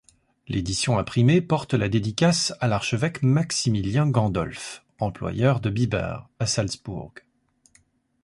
L'édition imprimée porte la dédicace à l'archevêque Maximilien Gandolph, employeur de Biber à Salzbourg.